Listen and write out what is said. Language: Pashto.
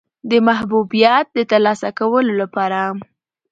د محبوبیت د ترلاسه کولو لپاره.